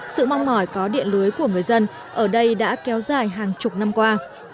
sự mong mỏi có điện lưới của người dân ở đây đã kéo dài hàng chục năm qua